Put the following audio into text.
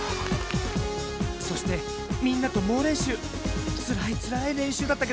そしてみんなともうれんしゅう。